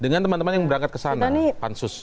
dengan teman teman yang berangkat kesana pansus